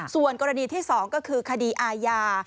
ส่วนกรณีที่๒ก็คือคดีอาญา